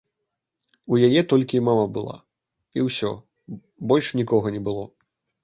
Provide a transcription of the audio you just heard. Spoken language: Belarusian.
У яе толькі мама была, і ўсё, больш нікога не было.